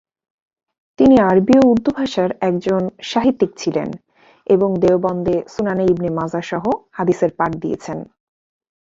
তিনি আরবি ও উর্দু ভাষার একজন সাহিত্যিক ছিলেন এবং দেওবন্দে "সুনানে ইবনে মাজাহ" সহ হাদিসের পাঠ দিয়েছেন।